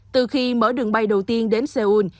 từ khi mở đường bay đầu tiên đến seoul